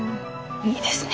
いいですね。